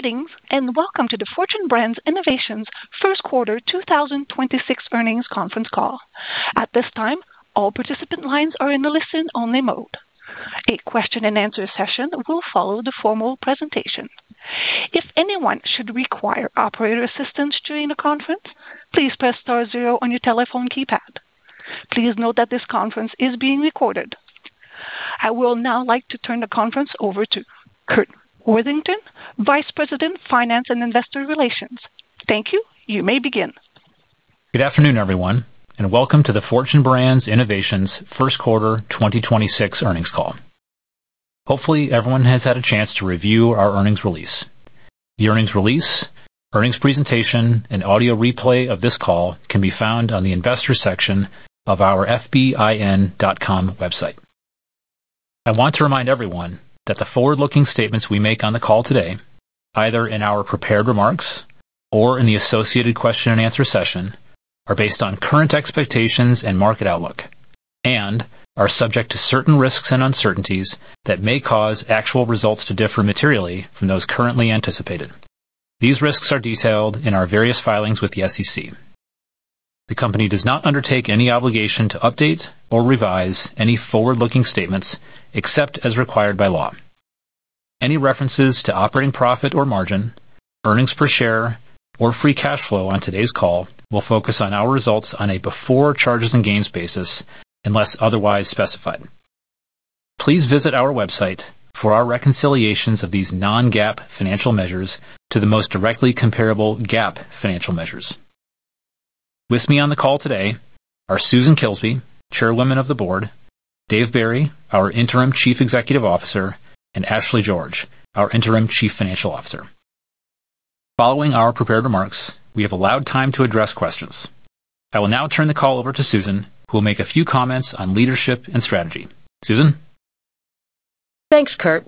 I will now like to turn the conference over to Curt Worthington, Vice President, Finance and Investor Relations. Thank you. You may begin. Good afternoon, everyone, welcome to the Fortune Brands Innovations first quarter 2026 earnings call. Hopefully, everyone has had a chance to review our earnings release. The earnings release, earnings presentation and audio replay of this call can be found on the investor section of our fbin.com website. I want to remind everyone that the forward-looking statements we make on the call today, either in our prepared remarks or in the associated question-and-answer session, are based on current expectations and market outlook and are subject to certain risks and uncertainties that may cause actual results to differ materially from those currently anticipated. These risks are detailed in our various filings with the SEC. The company does not undertake any obligation to update or revise any forward-looking statements, except as required by law. Any references to operating profit or margin, earnings per share or free cash flow on today's call will focus on our results on a before charges and gains basis unless otherwise specified. Please visit our website for our reconciliations of these non-GAAP financial measures to the most directly comparable GAAP financial measures. With me on the call today are Susan Kilsby, Chair of the Board, Dave Barry, our Interim Chief Executive Officer, and Ashley George, our Interim Chief Financial Officer. Following our prepared remarks, we have allowed time to address questions. I will now turn the call over to Susan, who will make a few comments on leadership and strategy. Susan. Thanks, Curt.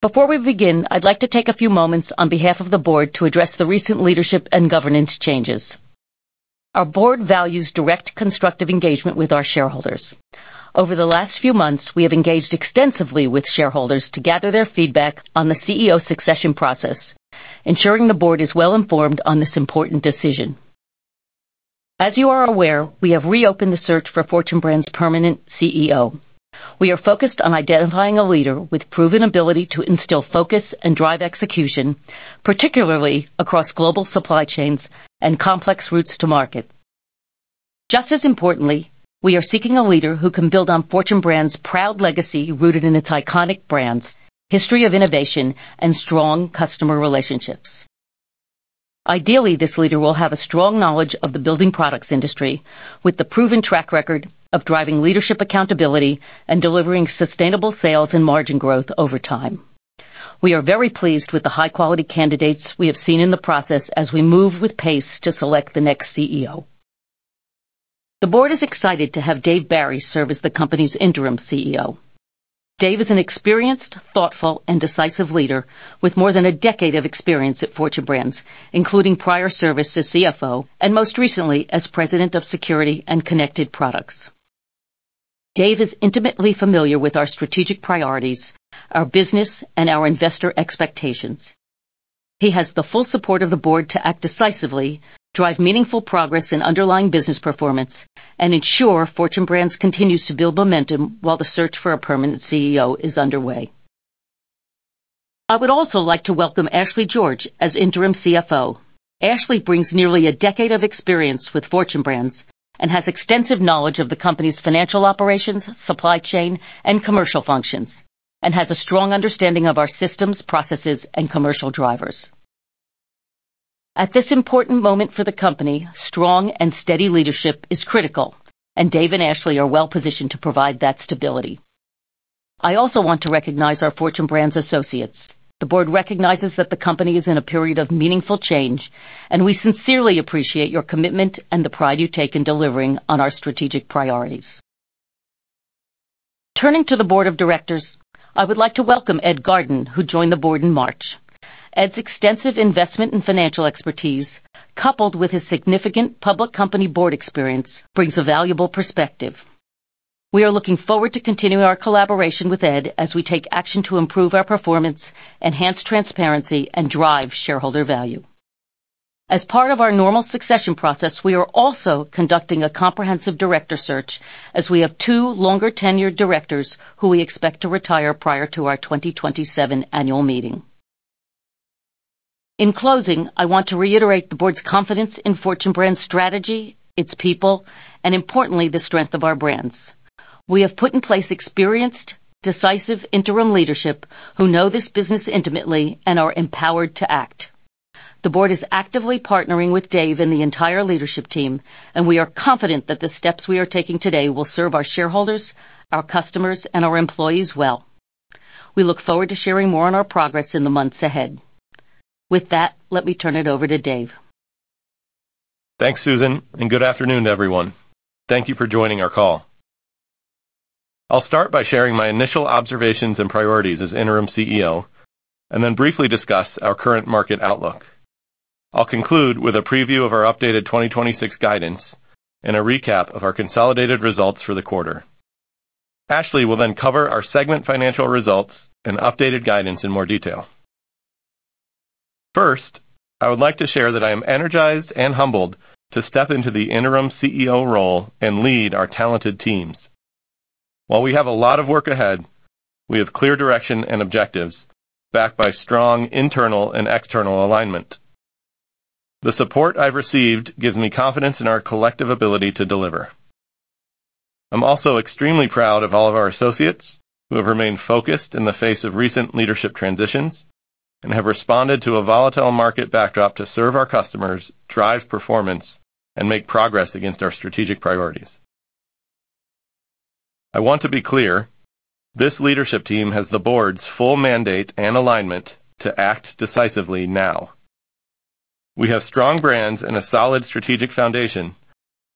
Before we begin, I'd like to take a few moments on behalf of the board to address the recent leadership and governance changes. Our board values direct, constructive engagement with our shareholders. Over the last few months, we have engaged extensively with shareholders to gather their feedback on the CEO succession process, ensuring the board is well informed on this important decision. As you are aware, we have reopened the search for Fortune Brands permanent CEO. We are focused on identifying a leader with proven ability to instill focus and drive execution, particularly across global supply chains and complex routes to market. Just as importantly, we are seeking a leader who can build on Fortune Brands' proud legacy rooted in its iconic brands, history of innovation and strong customer relationships. Ideally, this leader will have a strong knowledge of the building products industry with the proven track record of driving leadership accountability and delivering sustainable sales and margin growth over time. We are very pleased with the high quality candidates we have seen in the process as we move with pace to select the next CEO. The board is excited to have Dave Barry serve as the company's Interim CEO. Dave is an experienced, thoughtful and decisive leader with more than a decade of experience at Fortune Brands, including prior service as CFO and most recently as President of Security and Connected Products. Dave is intimately familiar with our strategic priorities, our business and our investor expectations. He has the full support of the board to act decisively, drive meaningful progress in underlying business performance, and ensure Fortune Brands continues to build momentum while the search for a permanent CEO is underway. I would also like to welcome Ashley George as Interim CFO. Ashley brings nearly a decade of experience with Fortune Brands and has extensive knowledge of the company's financial operations, supply chain and commercial functions, and has a strong understanding of our systems, processes and commercial drivers. At this important moment for the company, strong and steady leadership is critical, and Dave and Ashley are well positioned to provide that stability. I also want to recognize our Fortune Brands associates. The board recognizes that the company is in a period of meaningful change, and we sincerely appreciate your commitment and the pride you take in delivering on our strategic priorities. Turning to the board of directors, I would like to welcome Ed Garden, who joined the board in March. Ed's extensive investment and financial expertise, coupled with his significant public company board experience, brings a valuable perspective. We are looking forward to continuing our collaboration with Ed as we take action to improve our performance, enhance transparency and drive shareholder value. As part of our normal succession process, we are also conducting a comprehensive director search as we have two longer tenured directors who we expect to retire prior to our 2027 annual meeting. In closing, I want to reiterate the board's confidence in Fortune Brands' strategy, its people, and importantly, the strength of our brands. We have put in place experienced, decisive Interim leadership who know this business intimately and are empowered to act. The board is actively partnering with Dave and the entire leadership team. We are confident that the steps we are taking today will serve our shareholders, our customers, and our employees well. We look forward to sharing more on our progress in the months ahead. With that, let me turn it over to Dave. Thanks, Susan, and good afternoon, everyone. Thank you for joining our call. I'll start by sharing my initial observations and priorities as Interim CEO and then briefly discuss our current market outlook. I'll conclude with a preview of our updated 2026 guidance and a recap of our consolidated results for the quarter. Ashley will then cover our segment financial results and updated guidance in more detail. First, I would like to share that I am energized and humbled to step into the Interim CEO role and lead our talented teams. While we have a lot of work ahead, we have clear direction and objectives backed by strong internal and external alignment. The support I've received gives me confidence in our collective ability to deliver. I am also extremely proud of all of our associates who have remained focused in the face of recent leadership transitions and have responded to a volatile market backdrop to serve our customers, drive performance, and make progress against our strategic priorities. I want to be clear, this leadership team has the Board's full mandate and alignment to act decisively now. We have strong brands and a solid strategic foundation,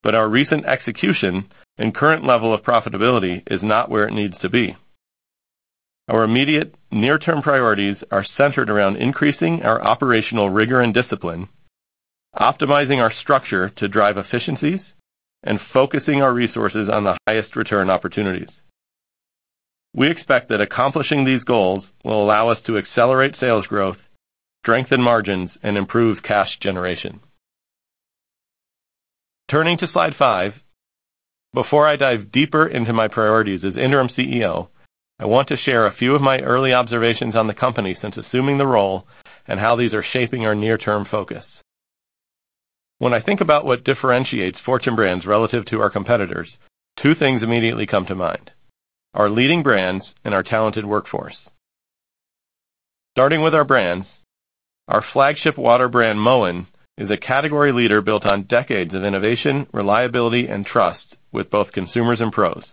but our recent execution and current level of profitability is not where it needs to be. Our immediate near-term priorities are centered around increasing our operational rigor and discipline, optimizing our structure to drive efficiencies, and focusing our resources on the highest return opportunities. We expect that accomplishing these goals will allow us to accelerate sales growth, strengthen margins, and improve cash generation. Turning to slide 5, before I dive deeper into my priorities as Interim CEO, I want to share a few of my early observations on the company since assuming the role and how these are shaping our near-term focus. When I think about what differentiates Fortune Brands relative to our competitors, two things immediately come to mind: our leading brands and our talented workforce. Starting with our brands, our flagship water brand, Moen, is a category leader built on decades of innovation, reliability, and trust with both consumers and pros.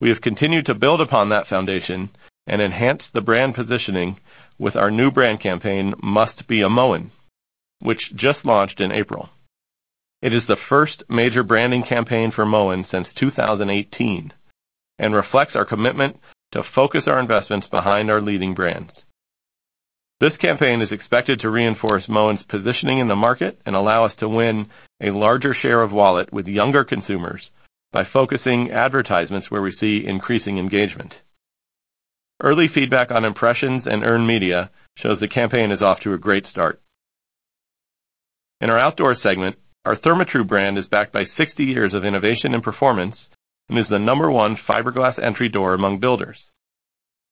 We have continued to build upon that foundation and enhance the brand positioning with our new brand campaign, Must Be a Moen, which just launched in April. It is the first major branding campaign for Moen since 2018 and reflects our commitment to focus our investments behind our leading brands. This campaign is expected to reinforce Moen's positioning in the market and allow us to win a larger share of wallet with younger consumers by focusing advertisements where we see increasing engagement. Early feedback on impressions and earned media shows the campaign is off to a great start. In our outdoor segment, our Therma-Tru brand is backed by 60 years of innovation and performance and is the number one fiberglass entry door among builders.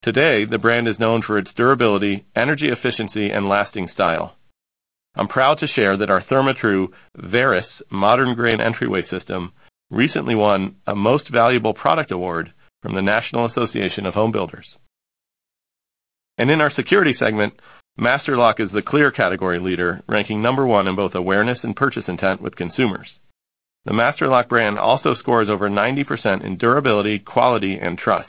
Today, the brand is known for its durability, energy efficiency, and lasting style. I'm proud to share that our Therma-Tru Veris Modern Grain Entryway System recently won a Most Valuable Product Award from the National Association of Home Builders. In our security segment, Master Lock is the clear category leader, ranking number one in both awareness and purchase intent with consumers. The Master Lock brand also scores over 90% in durability, quality, and trust.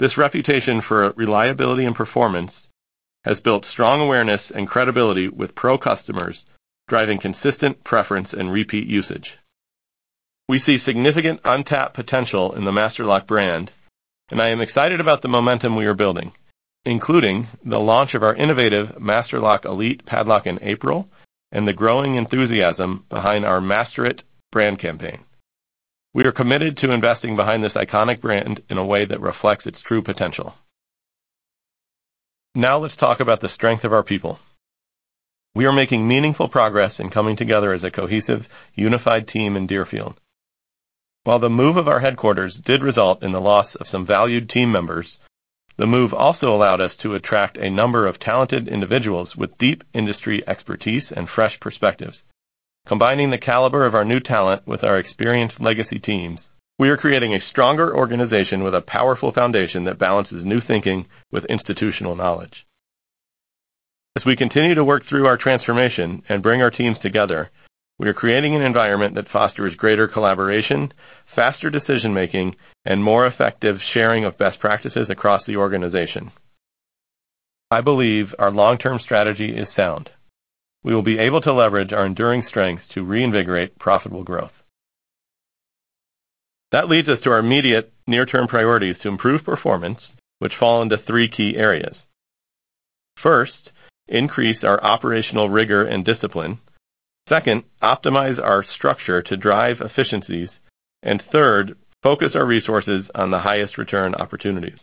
This reputation for reliability and performance has built strong awareness and credibility with pro customers, driving consistent preference and repeat usage. We see significant untapped potential in the Master Lock brand, and I am excited about the momentum we are building, including the launch of our innovative Master Lock Elite padlock in April and the growing enthusiasm behind our Master It brand campaign. We are committed to investing behind this iconic brand in a way that reflects its true potential. Now let's talk about the strength of our people. We are making meaningful progress in coming together as a cohesive, unified team in Deerfield. While the move of our headquarters did result in the loss of some valued team members, the move also allowed us to attract a number of talented individuals with deep industry expertise and fresh perspectives. Combining the caliber of our new talent with our experienced legacy teams, we are creating a stronger organization with a powerful foundation that balances new thinking with institutional knowledge. As we continue to work through our transformation and bring our teams together, we are creating an environment that fosters greater collaboration, faster decision-making, and more effective sharing of best practices across the organization. I believe our long-term strategy is sound. We will be able to leverage our enduring strengths to reinvigorate profitable growth. That leads us to our immediate near-term priorities to improve performance, which fall into three key areas. First, increase our operational rigor and discipline. Second, optimize our structure to drive efficiencies. Third, focus our resources on the highest return opportunities.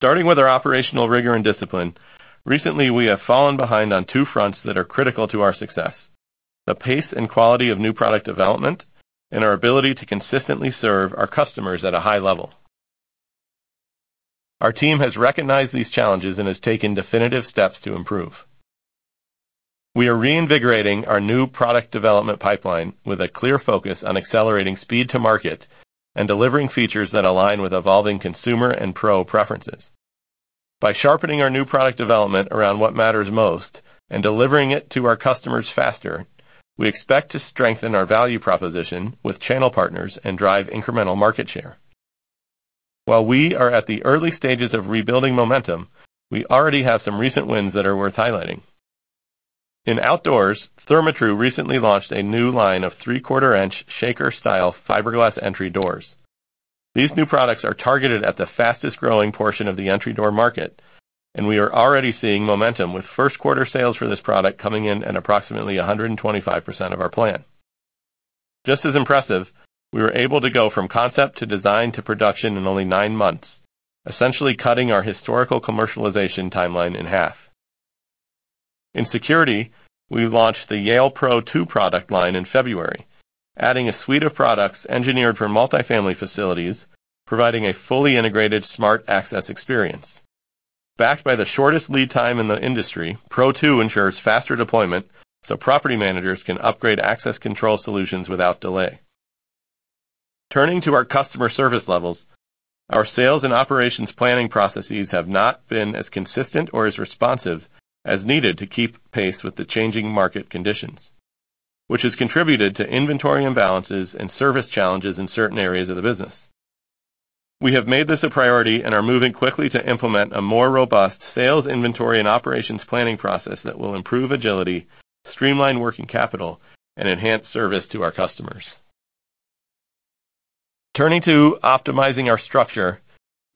Starting with our operational rigor and discipline, recently we have fallen behind on two fronts that are critical to our success: the pace and quality of new product development and our ability to consistently serve our customers at a high level. Our team has recognized these challenges and has taken definitive steps to improve. We are reinvigorating our new product development pipeline with a clear focus on accelerating speed to market and delivering features that align with evolving consumer and pro preferences. By sharpening our new product development around what matters most and delivering it to our customers faster, we expect to strengthen our value proposition with channel partners and drive incremental market share. While we are at the early stages of rebuilding momentum, we already have some recent wins that are worth highlighting. In outdoors, Therma-Tru recently launched a new line of three-quarter-inch shaker-style fiberglass entry doors. These new products are targeted at the fastest-growing portion of the entry door market. We are already seeing momentum with first quarter sales for this product coming in at approximately 125% of our plan. Just as impressive, we were able to go from concept to design to production in only nine months, essentially cutting our historical commercialization timeline in half. In security, we launched the Yale Pro 2 product line in February, adding a suite of products engineered for multifamily facilities, providing a fully integrated smart access experience. Backed by the shortest lead time in the industry, Pro 2 ensures faster deployment so property managers can upgrade access control solutions without delay. Turning to our customer service levels, our sales and operations planning processes have not been as consistent or as responsive as needed to keep pace with the changing market conditions, which has contributed to inventory imbalances and service challenges in certain areas of the business. We have made this a priority and are moving quickly to implement a more robust sales inventory and operations planning process that will improve agility, streamline working capital and enhance service to our customers. Turning to optimizing our structure,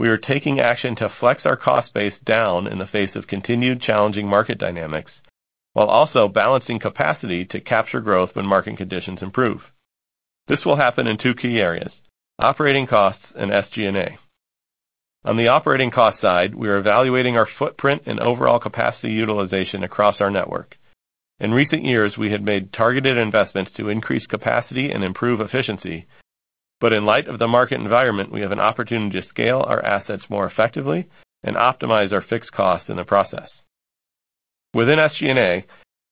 we are taking action to flex our cost base down in the face of continued challenging market dynamics, while also balancing capacity to capture growth when market conditions improve. This will happen in two key areas, operating costs and SG&A. On the operating cost side, we are evaluating our footprint and overall capacity utilization across our network. In recent years, we have made targeted investments to increase capacity and improve efficiency. In light of the market environment, we have an opportunity to scale our assets more effectively and optimize our fixed costs in the process. Within SG&A,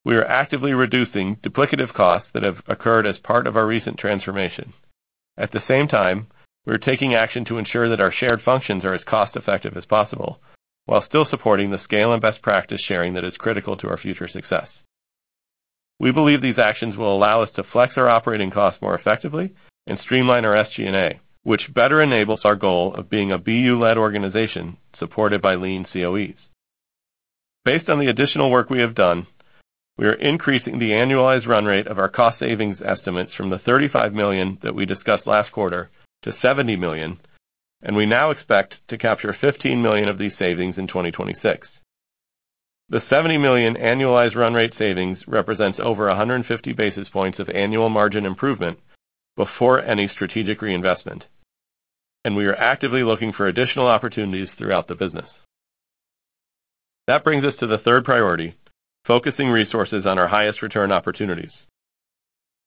we are actively reducing duplicative costs that have occurred as part of our recent transformation. At the same time, we are taking action to ensure that our shared functions are as cost effective as possible while still supporting the scale and best practice sharing that is critical to our future success. We believe these actions will allow us to flex our operating costs more effectively and streamline our SG&A, which better enables our goal of being a BU-led organization supported by lean COEs. Based on the additional work we have done, we are increasing the annualized run rate of our cost savings estimates from the $35 million that we discussed last quarter to $70 million, and we now expect to capture $15 million of these savings in 2026. The 70 million annualized run rate savings represents over 150 basis points of annual margin improvement before any strategic reinvestment. We are actively looking for additional opportunities throughout the business. That brings us to the third priority, focusing resources on our highest return opportunities.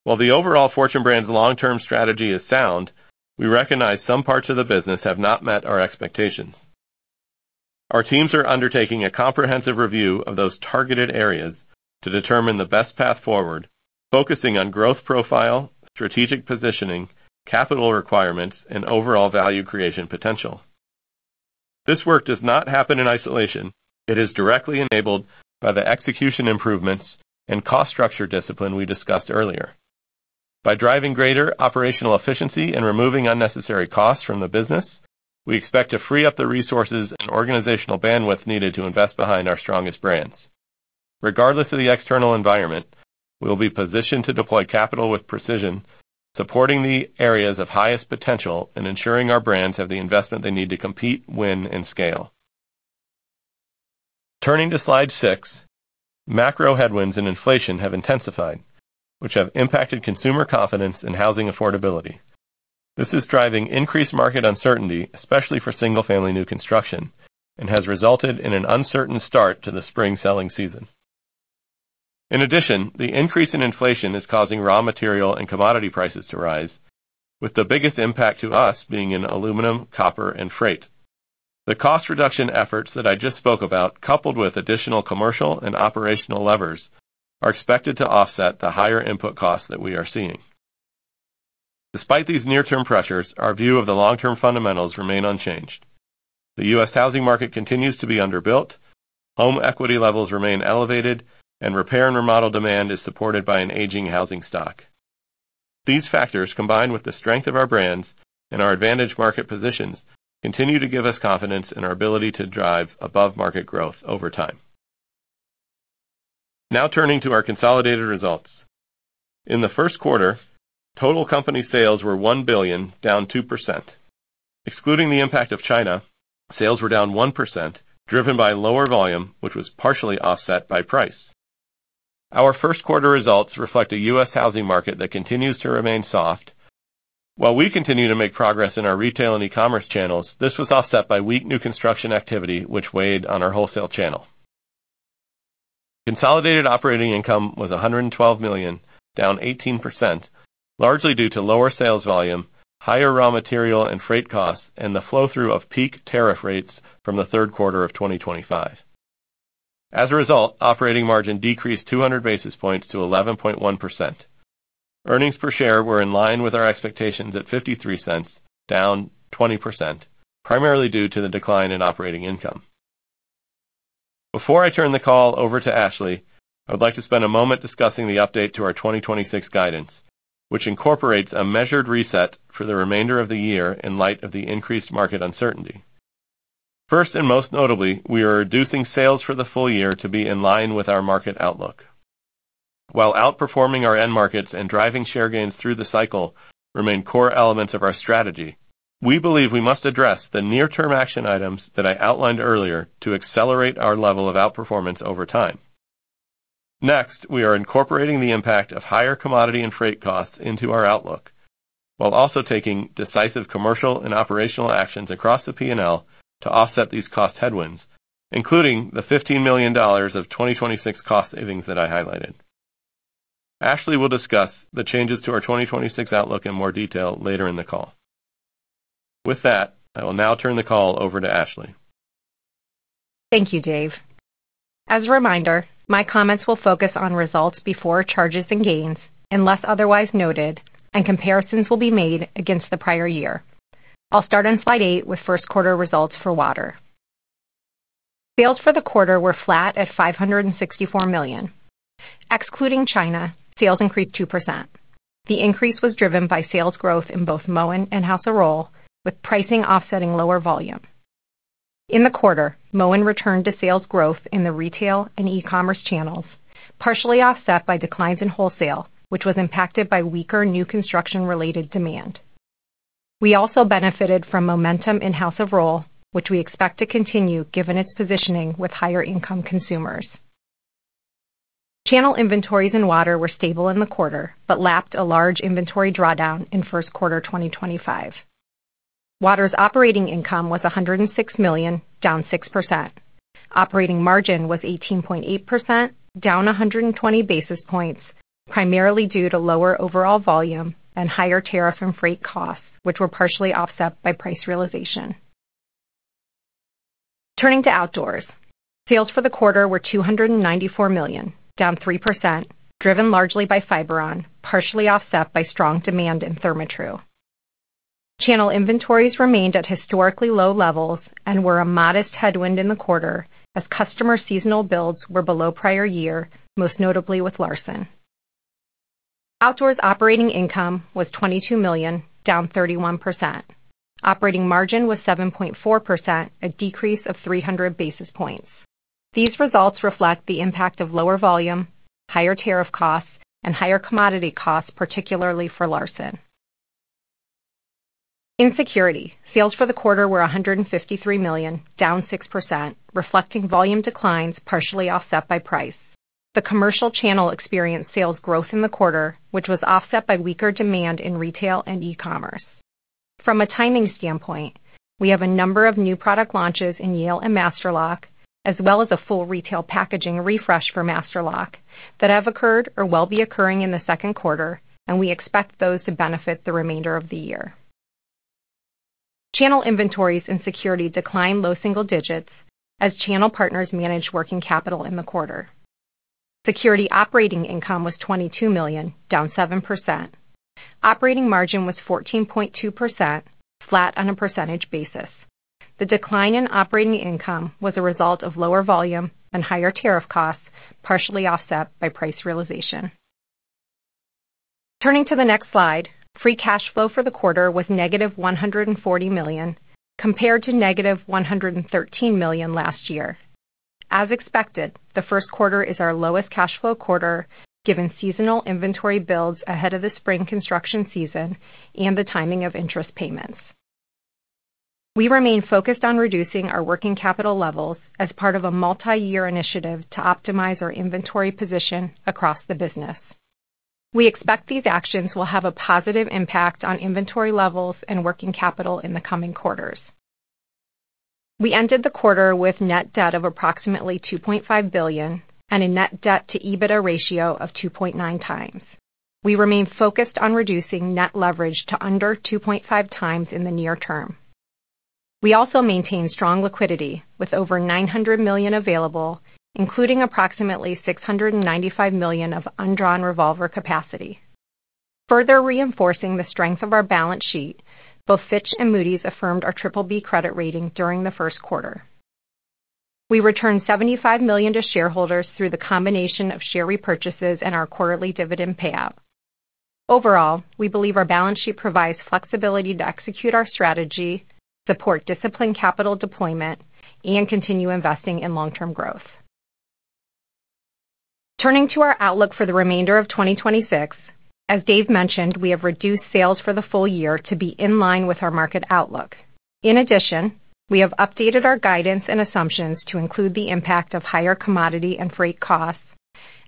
While the overall Fortune Brands' long-term strategy is sound, we recognize some parts of the business have not met our expectations. Our teams are undertaking a comprehensive review of those targeted areas to determine the best path forward, focusing on growth profile, strategic positioning, capital requirements, and overall value creation potential. This work does not happen in isolation. It is directly enabled by the execution improvements and cost structure discipline we discussed earlier. By driving greater operational efficiency and removing unnecessary costs from the business, we expect to free up the resources and organizational bandwidth needed to invest behind our strongest brands. Regardless of the external environment, we will be positioned to deploy capital with precision, supporting the areas of highest potential and ensuring our brands have the investment they need to compete, win, and scale. Turning to slide 6, macro headwinds and inflation have intensified, which have impacted consumer confidence and housing affordability. This is driving increased market uncertainty, especially for single-family new construction, and has resulted in an uncertain start to the spring selling season. The increase in inflation is causing raw material and commodity prices to rise, with the biggest impact to us being in aluminum, copper, and freight. The cost reduction efforts that I just spoke about, coupled with additional commercial and operational levers, are expected to offset the higher input costs that we are seeing. Despite these near-term pressures, our view of the long-term fundamentals remain unchanged. The U.S. housing market continues to be underbuilt, home equity levels remain elevated, and repair and remodel demand is supported by an aging housing stock. These factors, combined with the strength of our brands and our advantaged market positions, continue to give us confidence in our ability to drive above-market growth over time. Turning to our consolidated results. In the first quarter, total company sales were $1 billion, down 2%. Excluding the impact of China, sales were down 1%, driven by lower volume, which was partially offset by price. Our first quarter results reflect a U.S. housing market that continues to remain soft. While we continue to make progress in our retail and e-commerce channels, this was offset by weak new construction activity, which weighed on our wholesale channel. Consolidated operating income was $112 million, down 18%, largely due to lower sales volume, higher raw material and freight costs, and the flow-through of peak tariff rates from the third quarter of 2025. As a result, operating margin decreased 200 basis points to 11.1%. Earnings per share were in line with our expectations at $0.53, down 20%, primarily due to the decline in operating income. Before I turn the call over to Ashley, I would like to spend a moment discussing the update to our 2026 guidance, which incorporates a measured reset for the remainder of the year in light of the increased market uncertainty. First, and most notably, we are reducing sales for the full year to be in line with our market outlook. While outperforming our end markets and driving share gains through the cycle remain core elements of our strategy, we believe we must address the near-term action items that I outlined earlier to accelerate our level of outperformance over time. We are incorporating the impact of higher commodity and freight costs into our outlook, while also taking decisive commercial and operational actions across the P&L to offset these cost headwinds, including the $15 million of 2026 cost savings that I highlighted. Ashley will discuss the changes to our 2026 outlook in more detail later in the call. With that, I will now turn the call over to Ashley. Thank you, Dave. As a reminder, my comments will focus on results before charges and gains, unless otherwise noted, and comparisons will be made against the prior year. I'll start on slide 8 with first quarter results for Water. Sales for the quarter were flat at $564 million. Excluding China, sales increased 2%. The increase was driven by sales growth in both Moen and House of Rohl, with pricing offsetting lower volume. In the quarter, Moen returned to sales growth in the retail and e-commerce channels, partially offset by declines in wholesale, which was impacted by weaker new construction-related demand. We also benefited from momentum in House of Rohl, which we expect to continue given its positioning with higher income consumers. Channel inventories in Water were stable in the quarter, but lapped a large inventory drawdown in first quarter 2025. Water operating income was $106 million, down 6%. Operating margin was 18.8%, down 120 basis points, primarily due to lower overall volume and higher tariff and freight costs, which were partially offset by price realization. Turning to Outdoors. Sales for the quarter were $294 million, down 3%, driven largely by Fiberon, partially offset by strong demand in Therma-Tru. Channel inventories remained at historically low levels and were a modest headwind in the quarter as customer seasonal builds were below prior year, most notably with Larson. Outdoors operating income was $22 million, down 31%. Operating margin was 7.4%, a decrease of 300 basis points. These results reflect the impact of lower volume, higher tariff costs, and higher commodity costs, particularly for Larson. In Security, sales for the quarter were $153 million, down 6%, reflecting volume declines partially offset by price. The commercial channel experienced sales growth in the quarter, which was offset by weaker demand in retail and e-commerce. From a timing standpoint, we have a number of new product launches in Yale and Master Lock, as well as a full retail packaging refresh for Master Lock that have occurred or will be occurring in the second quarter, and we expect those to benefit the remainder of the year. Channel inventories in Security declined low single digits as channel partners managed working capital in the quarter. Security Operating income was $22 million, down 7%. Operating margin was 14.2%, flat on a percentage basis. The decline in Operating income was a result of lower volume and higher tariff costs, partially offset by price realization. Turning to the next slide, free cash flow for the quarter was negative $140 million, compared to negative $113 million last year. As expected, the first quarter is our lowest cash flow quarter, given seasonal inventory builds ahead of the spring construction season and the timing of interest payments. We remain focused on reducing our working capital levels as part of a multi-year initiative to optimize our inventory position across the business. We expect these actions will have a positive impact on inventory levels and working capital in the coming quarters. We ended the quarter with net debt of approximately $2.5 billion and a net debt to EBITDA ratio of 2.9x. We remain focused on reducing net leverage to under 2.5x in the near term. We also maintain strong liquidity with over $900 million available, including approximately $695 million of undrawn revolver capacity. Further reinforcing the strength of our balance sheet, both Fitch and Moody's affirmed our BBB credit rating during the first quarter. We returned $75 million to shareholders through the combination of share repurchases and our quarterly dividend payout. We believe our balance sheet provides flexibility to execute our strategy, support disciplined capital deployment, and continue investing in long-term growth. Turning to our outlook for the remainder of 2026. As Dave mentioned, we have reduced sales for the full year to be in line with our market outlook. We have updated our guidance and assumptions to include the impact of higher commodity and freight costs,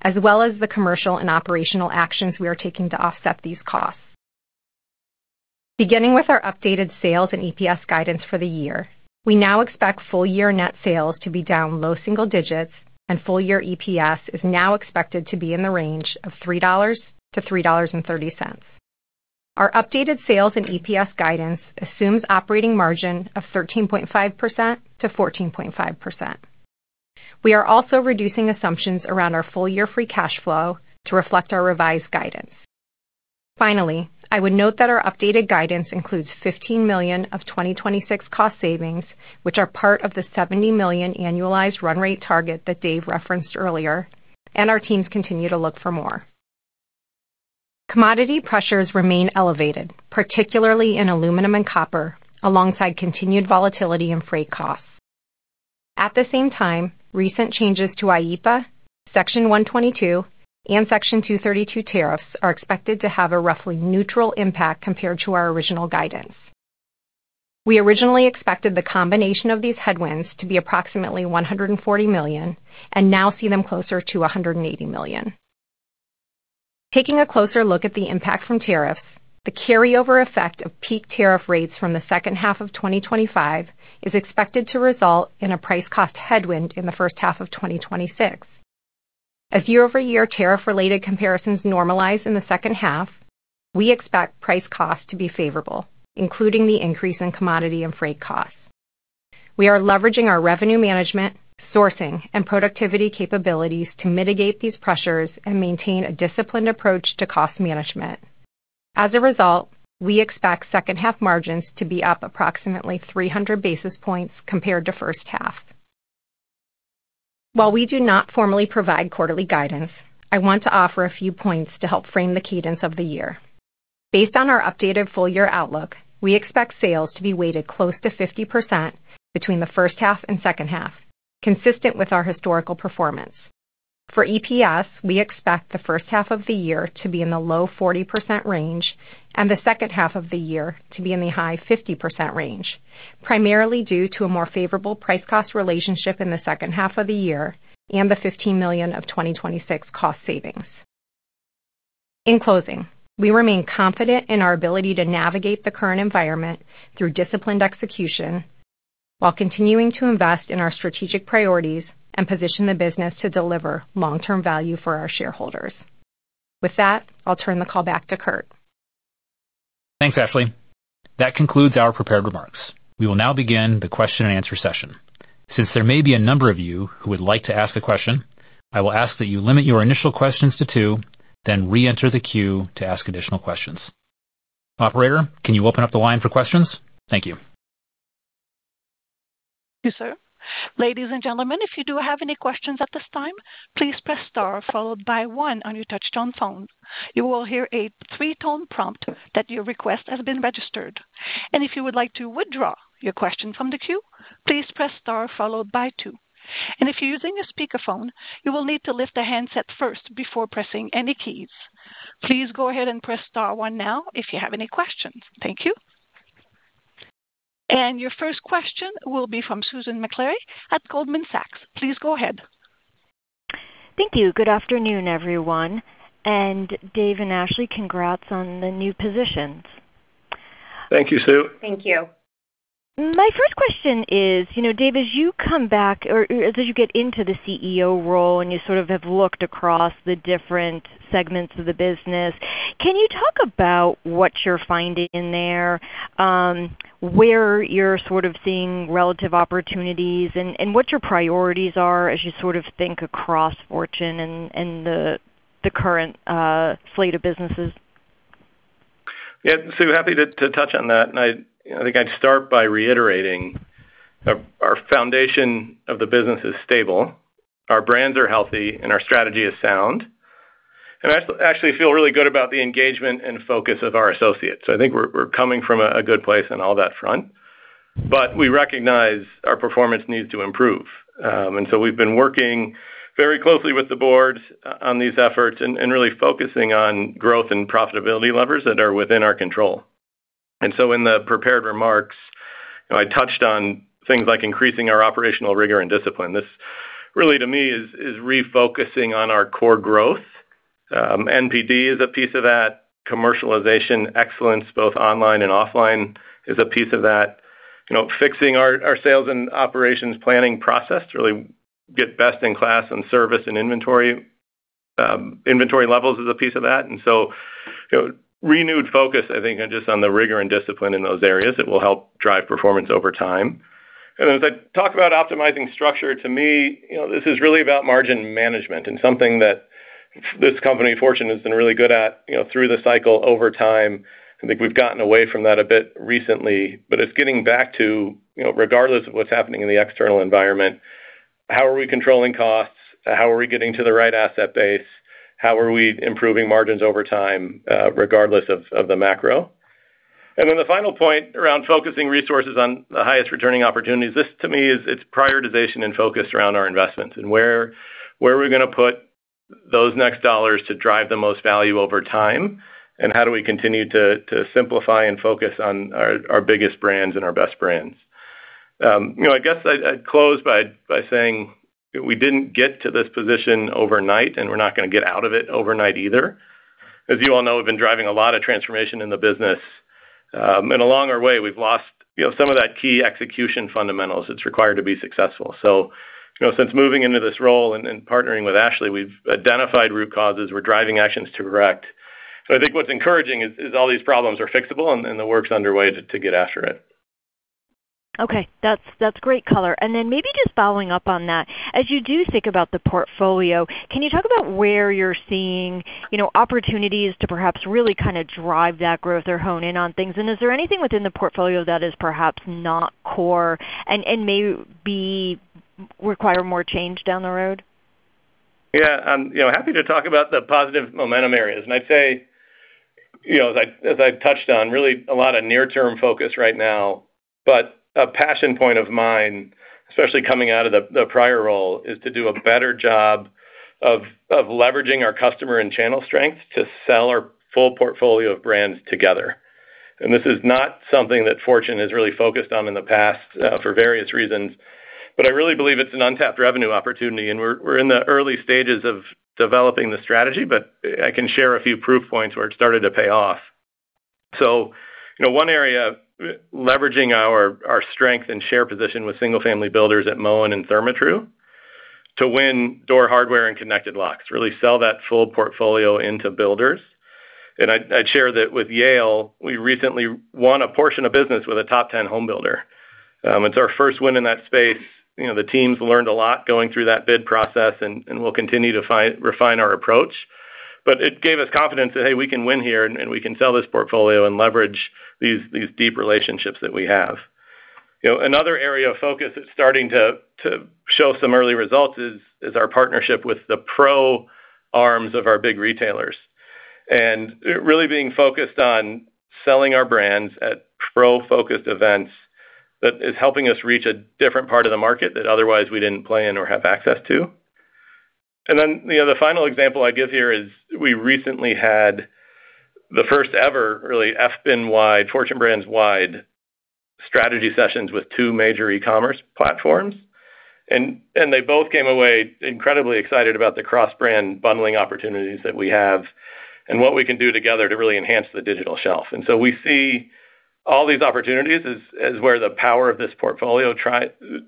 as well as the commercial and operational actions we are taking to offset these costs. Beginning with our updated sales and EPS guidance for the year, we now expect full year net sales to be down low single digits and full year EPS is now expected to be in the range of $3.00-$3.30. Our updated sales and EPS guidance assumes operating margin of 13.5%-14.5%. We are also reducing assumptions around our full year free cash flow to reflect our revised guidance. Finally, I would note that our updated guidance includes $15 million of 2026 cost savings, which are part of the $70 million annualized run rate target that Dave referenced earlier, and our teams continue to look for more. Commodity pressures remain elevated, particularly in aluminum and copper, alongside continued volatility in freight costs. At the same time, recent changes to IEEPA, Section 122 and Section 232 tariffs are expected to have a roughly neutral impact compared to our original guidance. We originally expected the combination of these headwinds to be approximately $140 million and now see them closer to $180 million. Taking a closer look at the impact from tariffs, the carryover effect of peak tariff rates from the second half of 2025 is expected to result in a price cost headwind in the first half of 2026. As year-over-year tariff related comparisons normalize in the second half, we expect price cost to be favorable, including the increase in commodity and freight costs. We are leveraging our revenue management, sourcing and productivity capabilities to mitigate these pressures and maintain a disciplined approach to cost management. As a result, we expect second half margins to be up approximately 300 basis points compared to first half. While we do not formally provide quarterly guidance, I want to offer a few points to help frame the cadence of the year. Based on our updated full year outlook, we expect sales to be weighted close to 50% between the first half and second half, consistent with our historical performance. For EPS, we expect the first half of the year to be in the low 40% range and the second half of the year to be in the high 50% range, primarily due to a more favorable price cost relationship in the second half of the year and the $15 million of 2026 cost savings. In closing, we remain confident in our ability to navigate the current environment through disciplined execution while continuing to invest in our strategic priorities and position the business to deliver long-term value for our shareholders. With that, I'll turn the call back to Curt. Thanks, Ashley. That concludes our prepared remarks. We will now begin the question and answer session. Since there may be a number of you who would like to ask a question, I will ask that you limit your initial questions to two, then re-enter the queue to ask additional questions. Operator, can you open up the line for questions? Thank you. Ladies and gentle men if you do have any question at this time please press star followed by one on your touch tone phone. You will hear a click tone promte that your request has been registered. If you would like to withdraw your question from the queue, please press star followed by two. If you need a speaker phone, you will need to lift your handset first before pressing any key. Please go ahead and press star followed by one now, if you have any question. Your first question will be from Susan Maklari at Goldman Sachs. Please go ahead. Thank you. Good afternoon, everyone. Dave and Ashley, congrats on the new positions. Thank you, Sue. Thank you. My first question is, you know, Dave, as you come back or as you get into the CEO role and you sort of have looked across the different segments of the business, can you talk about what you're finding there, where you're sort of seeing relative opportunities and what your priorities are as you sort of think across Fortune and the current slate of businesses? Yeah. Sue, happy to touch on that. I think I'd start by reiterating our foundation of the business is stable, our brands are healthy, and our strategy is sound. I actually feel really good about the engagement and focus of our associates. I think we're coming from a good place on all that front, but we recognize our performance needs to improve. We've been working very closely with the board on these efforts and really focusing on growth and profitability levers that are within our control. In the prepared remarks, I touched on things like increasing our operational rigor and discipline. This really, to me, is refocusing on our core growth. NPD is a piece of that. Commercialization excellence, both online and offline, is a piece of that. You know, fixing our sales and operations planning process to really get best in class on service and inventory levels is a piece of that. You know, renewed focus, I think, just on the rigor and discipline in those areas, it will help drive performance over time. As I talk about optimizing structure, to me, you know, this is really about margin management and something that this company, Fortune, has been really good at, you know, through the cycle over time. I think we've gotten away from that a bit recently, but it's getting back to, you know, regardless of what's happening in the external environment, how are we controlling costs? How are we getting to the right asset base? How are we improving margins over time, regardless of the macro? The final point around focusing resources on the highest returning opportunities. This to me is it's prioritization and focus around our investments and where are we gonna put those next dollars to drive the most value over time, and how do we continue to simplify and focus on our biggest brands and our best brands? You know, I guess I'd close by saying we didn't get to this position overnight, we're not gonna get out of it overnight either. As you all know, we've been driving a lot of transformation in the business, along our way we've lost, you know, some of that key execution fundamentals that's required to be successful. You know, since moving into this role and partnering with Ashley, we've identified root causes. We're driving actions to correct. I think what's encouraging is all these problems are fixable and the work's underway to get after it. Okay. That's great color. Maybe just following up on that, as you do think about the portfolio, can you talk about where you're seeing, you know, opportunities to perhaps really kind of drive that growth or hone in on things? Is there anything within the portfolio that is perhaps not core and may require more change down the road? Yeah, I'm, you know, happy to talk about the positive momentum areas. I'd say, you know, as I touched on, really a lot of near-term focus right now, but a passion point of mine, especially coming out of the prior role, is to do a better job of leveraging our customer and channel strength to sell our full portfolio of brands together. This is not something that Fortune has really focused on in the past, for various reasons, but I really believe it's an untapped revenue opportunity, and we're in the early stages of developing the strategy, but I can share a few proof points where it started to pay off. You know, one area, leveraging our strength and share position with single-family builders at Moen and Therma-Tru to win door hardware and connected locks, really sell that full portfolio into builders. I'd share that with Yale, we recently won a portion of business with a top 10 Home Builder. It's our first win in that space. You know, the teams learned a lot going through that bid process, and we'll continue to refine our approach. It gave us confidence that, hey, we can win here, and we can sell this portfolio and leverage these deep relationships that we have. You know, another area of focus that's starting to show some early results is our partnership with the pro arms of our big retailers. Really being focused on selling our brands at pro-focused events that is helping us reach a different part of the market that otherwise we didn't play in or have access to. You know, the final example I'd give here is we recently had the first ever really FBIN-wide, Fortune Brands-wide strategy sessions with two major e-commerce platforms. They both came away incredibly excited about the cross-brand bundling opportunities that we have and what we can do together to really enhance the digital shelf. We see all these opportunities as where the power of this portfolio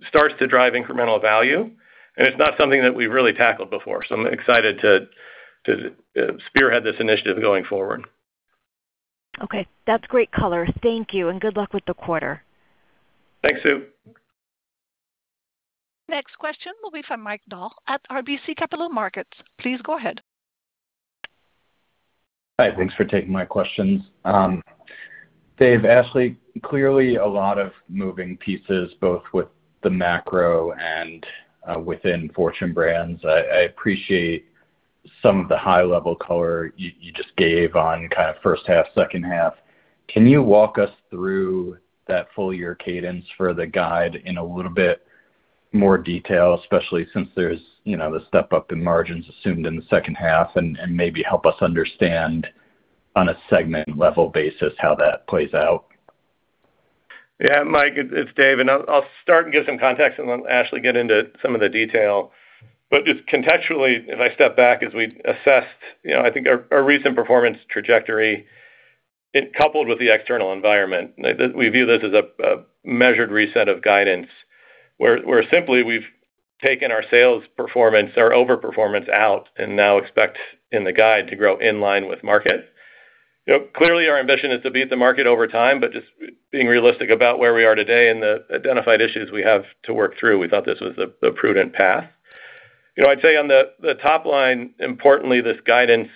starts to drive incremental value. It's not something that we've really tackled before. I'm excited to spearhead this initiative going forward. Okay. That's great color. Thank you, and good luck with the quarter. Thanks, Sue. Next question will be from Mike Dahl at RBC Capital Markets. Please go ahead. Hi. Thanks for taking my questions. Dave, Ashley, clearly a lot of moving pieces, both with the macro and within Fortune Brands. I appreciate some of the high-level color you just gave on kind of first half, second half. Can you walk us through that full year cadence for the guide in a little bit more detail, especially since there's, you know, the step-up in margins assumed in the second half, and maybe help us understand on a segment-level basis how that plays out? Yeah, Mike Dahl, it's Dave Barry. I'll start and give some context, let Ashley George get into some of the detail. Just contextually, if I step back as we assessed, you know, I think our recent performance trajectory coupled with the external environment. We view this as a measured reset of guidance, where simply we've taken our sales performance or overperformance out and now expect in the guide to grow in line with market. You know, clearly our ambition is to beat the market over time, just being realistic about where we are today and the identified issues we have to work through, we thought this was the prudent path. You know, I'd say on the top line, importantly, this guidance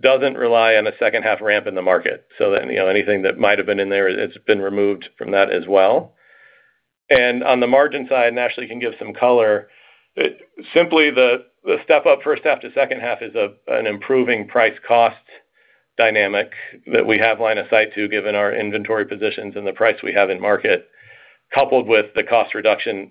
doesn't rely on a second half ramp in the market. You know, anything that might have been in there, it's been removed from that as well. On the margin side, and Ashley can give some color, simply the step-up first half to second half is an improving price-cost dynamic that we have line of sight to, given our inventory positions and the price we have in market, coupled with the cost reduction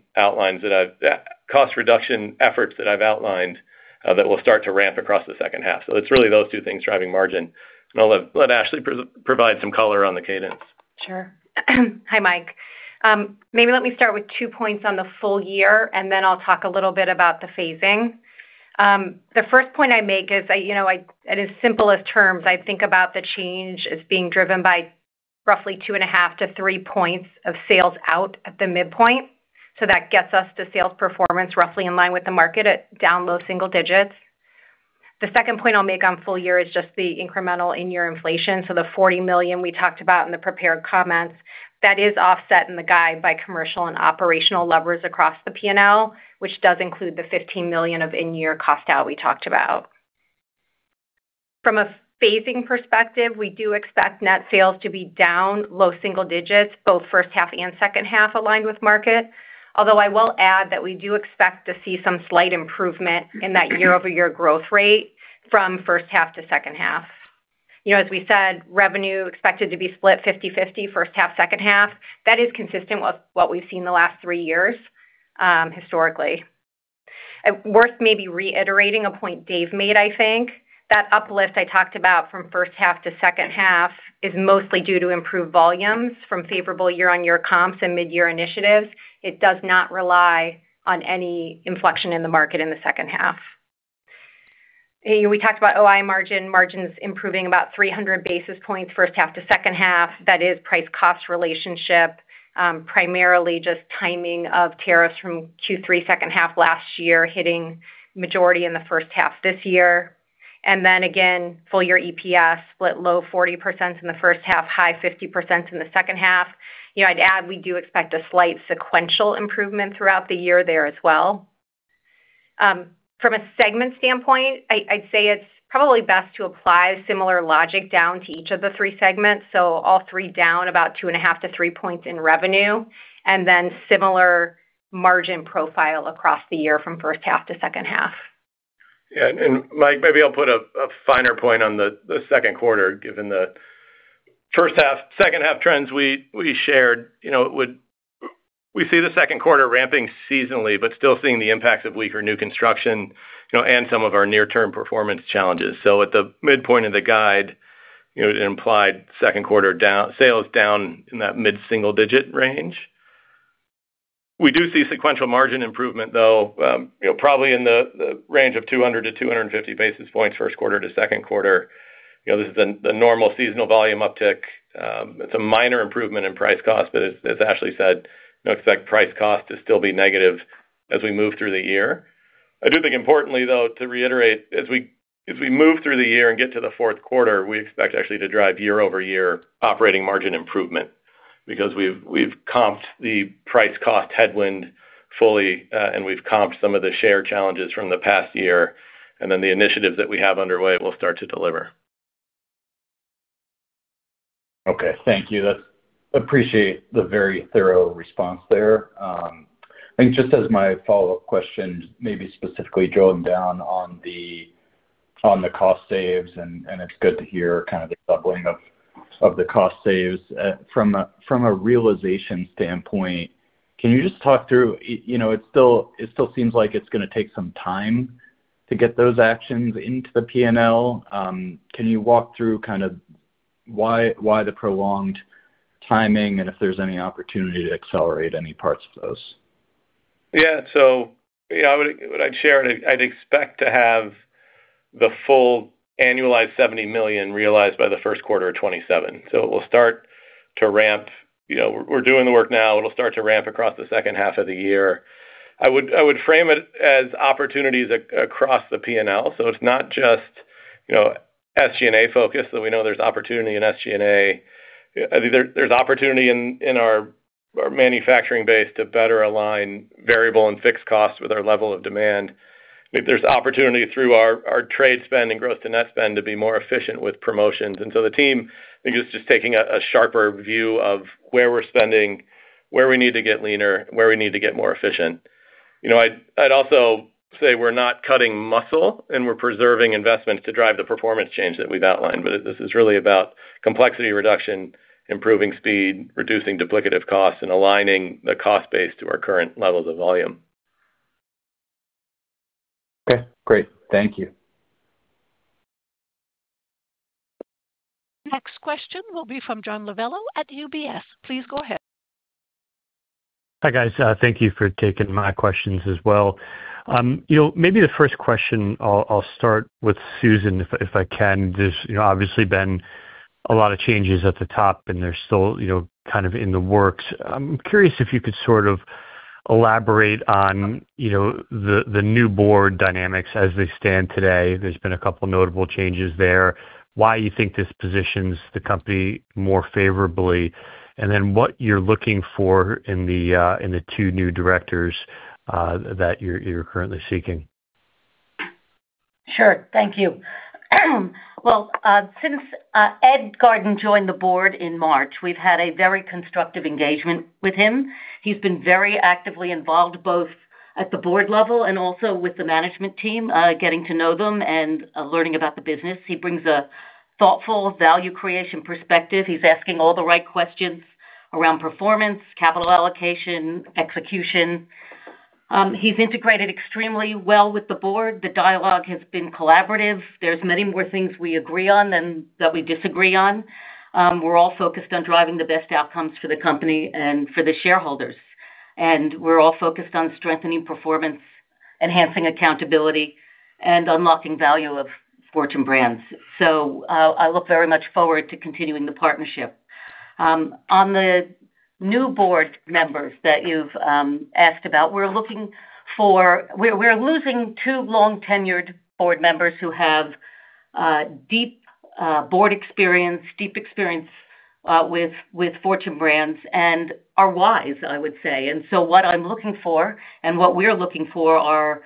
efforts that I've outlined, that will start to ramp across the second half. It's really those two things driving margin. I'll let Ashley provide some color on the cadence. Sure. Hi, Mike. Maybe let me start with two points on the full year, then I'll talk a little bit about the phasing. The first point I make is I, you know, at its simplest terms, I think about the change as being driven by roughly 2.5 points to three points of sales out at the midpoint. That gets us to sales performance roughly in line with the market at down low single digits. The second point I'll make on full year is just the incremental in-year inflation. The $40 million we talked about in the prepared comments, that is offset in the guide by commercial and operational levers across the P&L, which does include the $15 million of in-year cost out we talked about. From a phasing perspective, we do expect net sales to be down low single digits both first half and second half aligned with market. Although I will add that we do expect to see some slight improvement in that year-over-year growth rate from first half to second half. You know, as we said, revenue expected to be split 50/50 first half, second half. That is consistent with what we've seen the last three years, historically. Worth maybe reiterating a point Dave made, I think, that uplift I talked about from first half to second half is mostly due to improved volumes from favorable year on year comps and mid-year initiatives. It does not rely on any inflection in the market in the second half. We talked about OI margin, margins improving about 300 basis points first half to second half. That is price-cost relationship, primarily just timing of tariffs from Q3 second half last year hitting majority in the first half this year. Full year EPS split low 40% in the first half, high 50% in the second half. You know, I'd add we do expect a slight sequential improvement throughout the year there as well. From a segment standpoint, I'd say it's probably best to apply similar logic down to each of the three segments. All three down about 2.5 points to three points in revenue, and then similar margin profile across the year from first half to second half. Yeah, Mike, maybe I'll put a finer point on the second quarter, given the first half, second half trends we shared. You know, we see the second quarter ramping seasonally, but still seeing the impacts of weaker new construction, you know, and some of our near-term performance challenges. At the midpoint of the guide, you know, it implied second quarter sales down in that mid-single-digit range. We do see sequential margin improvement, though, you know, probably in the range of 200 basis point-250 basis points first quarter to second quarter. You know, this is the normal seasonal volume uptick. It's a minor improvement in price cost, but as Ashley said, you know, expect price cost to still be negative as we move through the year. I do think importantly, though, to reiterate, as we move through the year and get to the fourth quarter, we expect actually to drive year-over-year operating margin improvement because we've comped the price cost headwind fully, and we've comped some of the share challenges from the past year, and then the initiatives that we have underway will start to deliver. Okay. Thank you. That's appreciate the very thorough response there. I think just as my follow-up question, maybe specifically drilling down on the cost saves, and it's good to hear kind of the doubling of the cost saves. From a realization standpoint, can you just talk through, you know, it still seems like it's gonna take some time to get those actions into the P&L. Can you walk through kind of why the prolonged timing and if there's any opportunity to accelerate any parts of those? Yeah. What I'd share, and I'd expect to have the full annualized $70 million realized by the first quarter of 2027. It will start to ramp. You know, we're doing the work now. It'll start to ramp across the second half of the year. I would frame it as opportunities across the P&L. It's not just, you know, SG&A focus, though we know there's opportunity in SG&A. I think there's opportunity in our manufacturing base to better align variable and fixed costs with our level of demand. There's opportunity through our trade spend and growth to net spend to be more efficient with promotions. The team, I think, is just taking a sharper view of where we're spending, where we need to get leaner, where we need to get more efficient. You know, I'd also say we're not cutting muscle, and we're preserving investments to drive the performance change that we've outlined. This is really about complexity reduction, improving speed, reducing duplicative costs, and aligning the cost base to our current levels of volume. Okay, great. Thank you. Next question will be from John Lovallo at UBS. Please go ahead. Hi, guys. Thank you for taking my questions as well. You know, maybe the first question I'll start with Susan if I can. There's, you know, obviously been a lot of changes at the top, and they're still, you know, kind of in the works. I'm curious if you could sort of elaborate on, you know, the new board dynamics as they stand today. There's been a couple notable changes there. Why you think this positions the company more favorably, and then what you're looking for in the two new directors that you're currently seeking. Sure. Thank you. Well, since Ed Garden joined the board in March, we've had a very constructive engagement with him. He's been very actively involved both at the board level and also with the management team, getting to know them and learning about the business. He brings a thoughtful value creation perspective. He's asking all the right questions around performance, capital allocation, execution. He's integrated extremely well with the board. The dialogue has been collaborative. There's many more things we agree on than that we disagree on. We're all focused on driving the best outcomes for the company and for the shareholders. We're all focused on strengthening performance, enhancing accountability, and unlocking value of Fortune Brands. I look very much forward to continuing the partnership. On the new board members that you've asked about, we're losing two long-tenured board members who have deep board experience, deep experience with Fortune Brands and are wise, I would say. What I'm looking for and what we're looking for are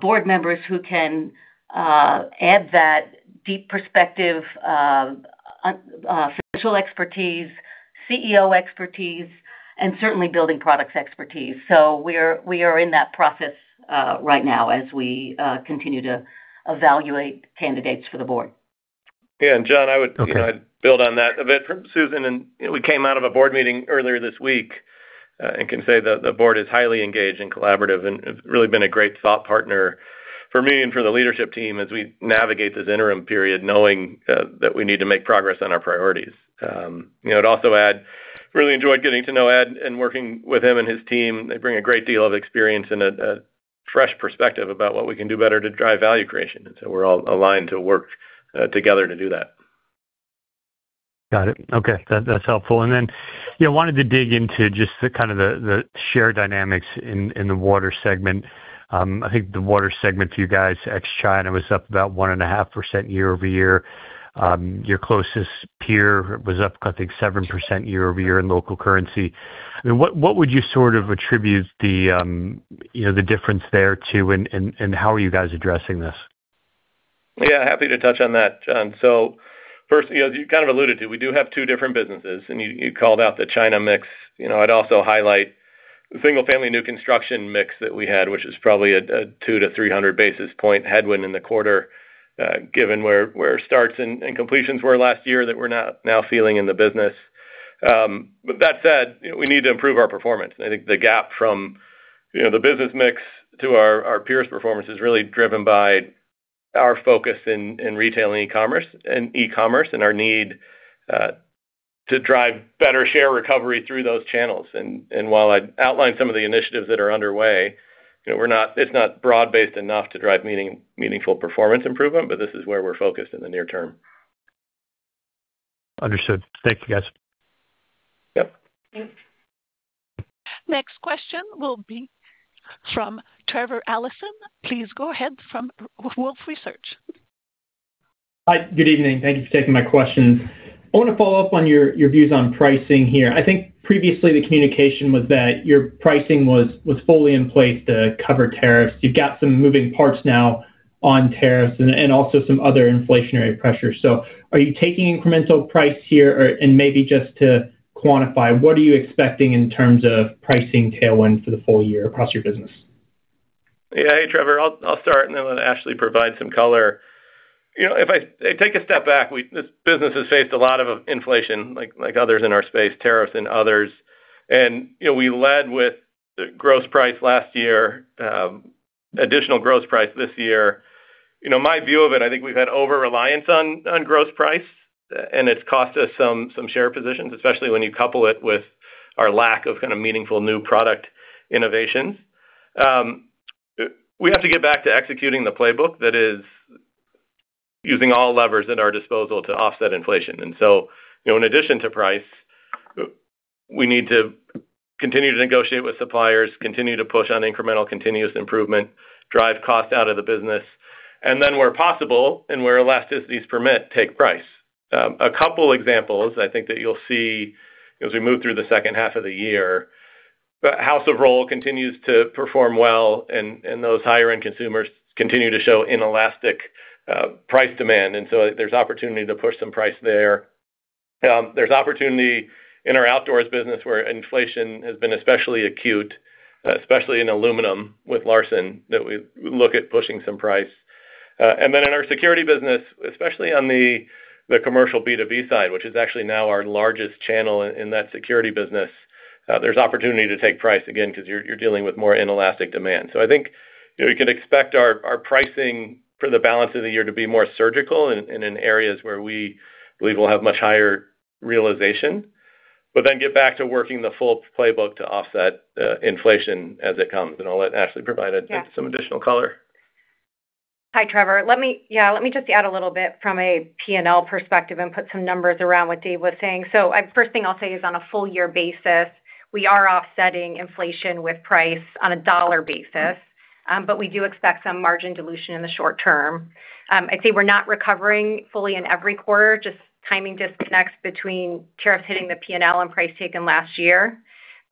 board members who can add that deep perspective of financial expertise, CEO expertise, and certainly building products expertise. We are in that process right now as we continue to evaluate candidates for the board. Yeah, John, I- Okay. You know, build on that a bit from Susan. You know, we came out of a board meeting earlier this week and can say that the board is highly engaged and collaborative and have really been a great thought partner for me and for the leadership team as we navigate this interim period knowing that we need to make progress on our priorities. You know, I'd also add, really enjoyed getting to know Ed and working with him and his team. They bring a great deal of experience and a fresh perspective about what we can do better to drive value creation. We're all aligned to work together to do that. Got it. Okay. That's helpful. Then, you know, wanted to dig into just the kind of the share dynamics in the Water segment. I think the Water segment for you guys, ex China, was up about 1.5% year-over-year. Your closest peer was up, I think, 7% year-over-year in local currency. I mean, what would you sort of attribute the, you know, the difference there to, and how are you guys addressing this? Yeah, happy to touch on that, John. First, you know, as you kind of alluded to, we do have two different businesses. You called out the China mix. You know, I'd also highlight the single-family new construction mix that we had, which is probably a 200 basis points to 300 basis point headwind in the quarter, given where starts and completions were last year that we're now feeling in the business. That said, you know, we need to improve our performance. I think the gap from, you know, the business mix to our peers' performance is really driven by our focus in retail and e-commerce and our need to drive better share recovery through those channels. While I outlined some of the initiatives that are underway, you know, it's not broad-based enough to drive meaningful performance improvement, but this is where we're focused in the near term. Understood. Thank you, guys. Yep. Next question will be from Trevor Allinson. Please go ahead from Wolfe Research. Hi. Good evening. Thank you for taking my question. I wanna follow up on your views on pricing here. I think previously the communication was that your pricing was fully in place to cover tariffs. You've got some moving parts now on tariffs and also some other inflationary pressures. Are you taking incremental price here? Maybe just to quantify, what are you expecting in terms of pricing tailwind for the full year across your business? Yeah. Hey, Trevor. I'll start, and then let Ashley provide some color. You know, take a step back, this business has faced a lot of inflation like others in our space, tariffs and others. You know, we led with the gross price last year, additional gross price this year. You know, my view of it, I think we've had over-reliance on gross price, and it's cost us some share positions, especially when you couple it with our lack of kind of meaningful new product innovations. We have to get back to executing the playbook that is using all levers at our disposal to offset inflation. You know, in addition to price, we need to continue to negotiate with suppliers, continue to push on incremental continuous improvement, drive cost out of the business, and then where possible and where elasticities permit, take price. A couple examples I think that you'll see as we move through the second half of the year. House of Rohl continues to perform well, and those higher-end consumers continue to show inelastic price demand, and so there's opportunity to push some price there. There's opportunity in our outdoors business where inflation has been especially acute, especially in aluminum with Larson, that we look at pushing some price. In our security business, especially on the commercial B2B side, which is actually now our largest channel in that security business, there's opportunity to take price again 'cause you're dealing with more inelastic demand. You know, you can expect our pricing for the balance of the year to be more surgical in areas where we believe we'll have much higher realization. Get back to working the full playbook to offset inflation as it comes. Let Ashley provide- Yeah Some additional color. Hi, Trevor. Let me just add a little bit from a P&L perspective and put some numbers around what Dave was saying. First thing I'll say is on a full year basis, we are offsetting inflation with price on a dollar basis. We do expect some margin dilution in the short term. I'd say we're not recovering fully in every quarter, just timing disconnects between tariffs hitting the P&L and price taken last year.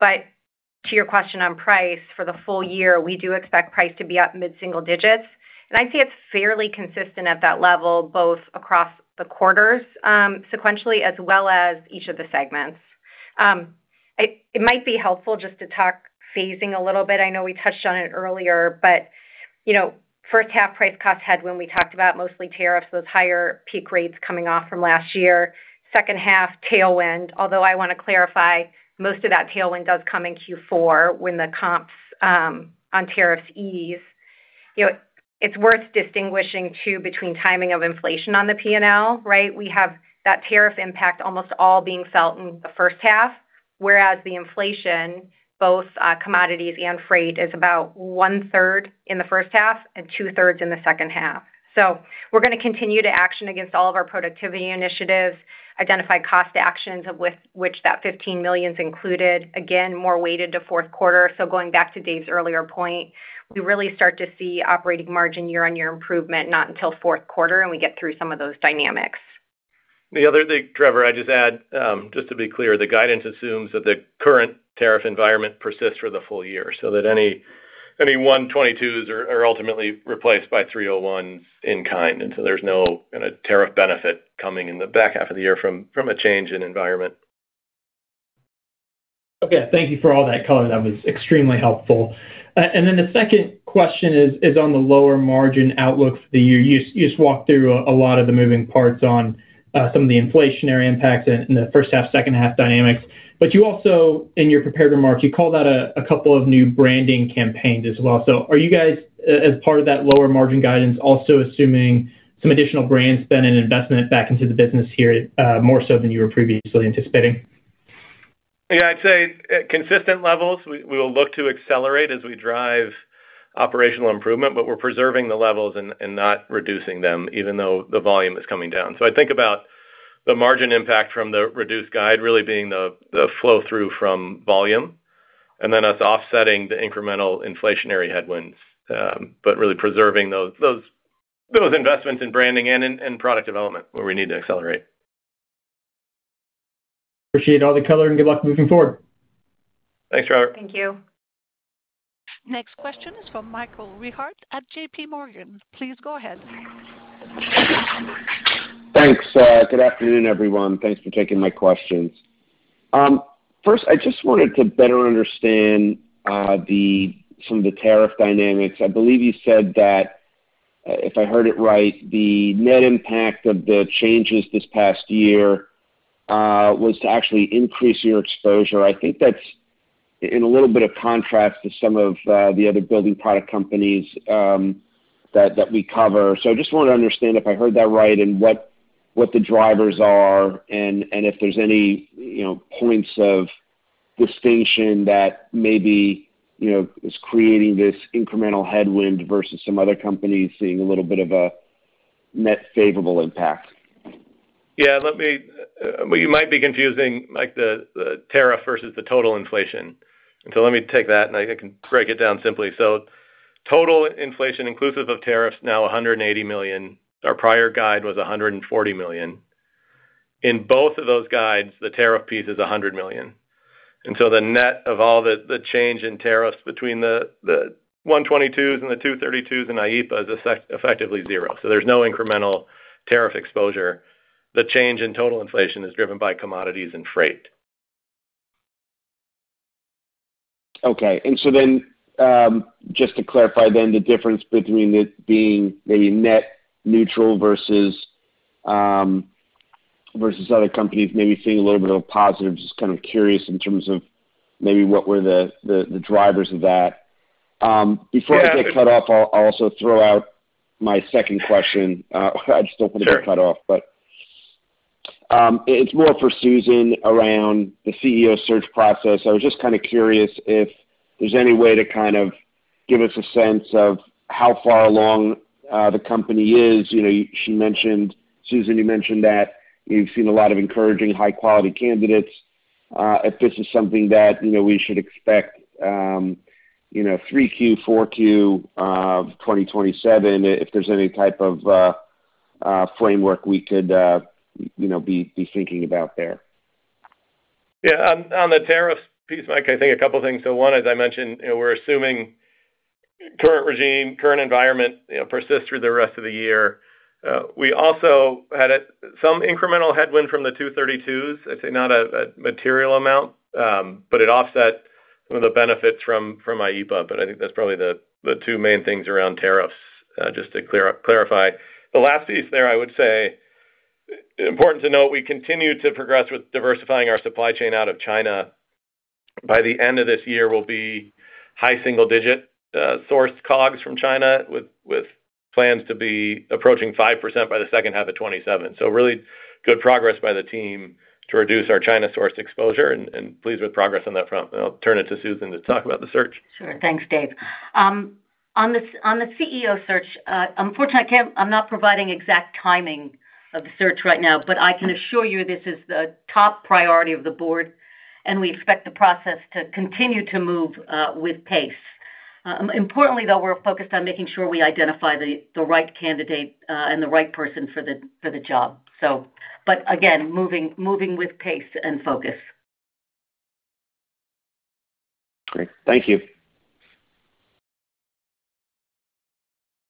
To your question on price, for the full year, we do expect price to be up mid-single digits, and I see it fairly consistent at that level, both across the quarters, sequentially as well as each of the segments. It might be helpful just to talk phasing a little bit. I know we touched on it earlier, you know, first half price cost head when we talked about mostly tariffs, those higher peak rates coming off from last year. Second half, tailwind, I want to clarify, most of that tailwind does come in Q4 when the comps on tariffs ease. You know, it's worth distinguishing too between timing of inflation on the P&L, right? We have that tariff impact almost all being felt in the first half, whereas the inflation, both commodities and freight, is about 1/3 in the first half and 2/3 in the second half. We're going to continue to action against all of our productivity initiatives, identify cost actions of which that $15 million is included. Again, more weighted to fourth quarter. Going back to Dave's earlier point, we really start to see operating margin year-over-year improvement not until fourth quarter, and we get through some of those dynamics. The other thing, Trevor, I'd just add, just to be clear, the guidance assumes that the current tariff environment persists for the full year, so that any 122s are ultimately replaced by 301s in kind. There's no kind of tariff benefit coming in the back half of the year from a change in environment. Okay. Thank you for all that color. That was extremely helpful. The second question is on the lower margin outlook for the year. You just walked through a lot of the moving parts on some of the inflationary impacts in the first half, second half dynamics. You also, in your prepared remarks, you called out a couple of new branding campaigns as well. Are you guys, as part of that lower margin guidance, also assuming some additional brand spend and investment back into the business here, more so than you were previously anticipating? I'd say at consistent levels, we will look to accelerate as we drive operational improvement, but we're preserving the levels and not reducing them even though the volume is coming down. I think about the margin impact from the reduced guide really being the flow through from volume, and then us offsetting the incremental inflationary headwinds, really preserving those investments in branding and product development where we need to accelerate. Appreciate all the color, and good luck moving forward. Thanks, Trevor. Thank you. Next question is from Michael Rehaut at JPMorgan. Please go ahead. Thanks. Good afternoon, everyone. Thanks for taking my questions. First, I just wanted to better understand some of the tariff dynamics. I believe you said that, if I heard it right, the net impact of the changes this past year was to actually increase your exposure. I think that's in a little bit of contrast to some of the other building product companies that we cover. I just wanted to understand if I heard that right and what the drivers are and if there's any, you know, points of distinction that maybe, you know, is creating this incremental headwind versus some other companies seeing a little bit of a net favorable impact. Yeah. Let me Well, you might be confusing, like, the tariff versus the total inflation. Let me take that, and I can break it down simply. Total inflation inclusive of tariffs now $180 million. Our prior guide was $140 million. In both of those guides, the tariff piece is $100 million. The net of all the change in tariffs between the 122s and the 232s in IEEPA is effectively zero. There's no incremental tariff exposure. The change in total inflation is driven by commodities and freight. Just to clarify then the difference between it being maybe net neutral versus other companies maybe seeing a little bit of a positive. Just kind of curious in terms of maybe what were the drivers of that. Before I get cut off, I'll also throw out my second question. I just don't wanna get cut off. Sure. It's more for Susan around the CEO search process. I was just kind of curious if there's any way to kind of give us a sense of how far along the company is. You know, Susan, you mentioned that you've seen a lot of encouraging high-quality candidates, if this is something that, you know, we should expect, you know, 3Q, 4Q of 2027, if there's any type of framework we could, you know, be thinking about there. Yeah. On, on the tariff piece, Mike, I think a couple of things. As I mentioned, you know, we're assuming current regime, current environment, you know, persist through the rest of the year. We also had some incremental headwind from the 232s. I'd say not a material amount, but it offset some of the benefits from IEEPA. I think that's probably the two main things around tariffs, just to clarify. The last piece there, I would say important to note, we continue to progress with diversifying our supply chain out of China. By the end of this year, we'll be high single digit sourced COGS from China with plans to be approaching 5% by the second half of 2027. Really good progress by the team to reduce our China-sourced exposure and pleased with progress on that front. I'll turn it to Susan to talk about the search. Sure. Thanks, Dave. On the CEO search, unfortunately, I'm not providing exact timing of the search right now. I can assure you this is the top priority of the board, and we expect the process to continue to move with pace. Importantly, though, we're focused on making sure we identify the right candidate and the right person for the job. Again, moving with pace and focus. Great. Thank you.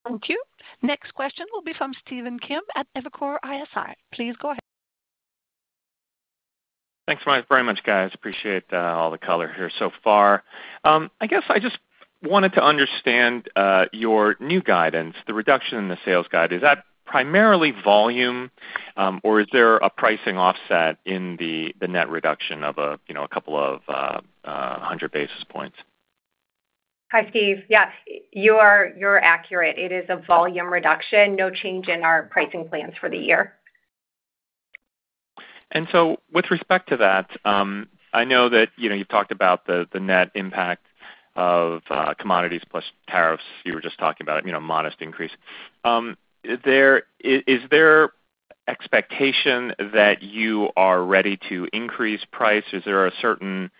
Thank you. Next question will be from Stephen Kim at Evercore ISI. Please go ahead. Thanks very much, guys. Appreciate all the color here so far. I guess I just wanted to understand your new guidance, the reduction in the sales guide. Is that primarily volume, or is there a pricing offset in the net reduction of, you know, a couple of 100 basis points? Hi, Steve. Yeah. You are accurate. It is a volume reduction, no change in our pricing plans for the year. With respect to that, I know that, you know, you've talked about the net impact of commodities plus tariffs. You were just talking about, you know, modest increase. Is there expectation that you are ready to increase price? Is there a certain